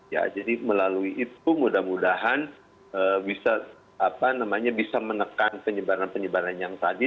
ya jadi melalui itu mudah mudahan bisa menekan penyebaran penyebaran yang tadi